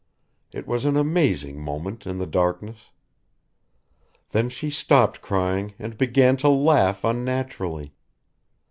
It was an amazing moment in the darkness. Then she stopped crying and began to laugh unnaturally.